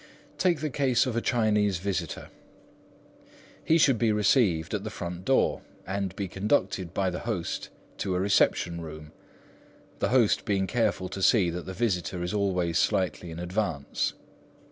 Take the case of a Chinese visitor. He should be received at the front door, and be conducted by the host to a reception room, the host being careful to see that the visitor is always slightly in advance.